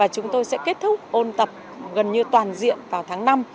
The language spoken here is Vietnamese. chúng tôi sẽ kết thúc ôn tập gần như toàn diện vào tháng năm